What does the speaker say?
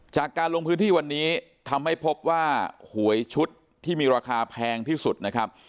จากการลงพื้นที่วันนี้ทำให้พบว่าหวยชุดที่มีราคาแพงที่สุดนะครับ